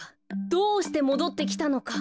どうしてもどってきたのか。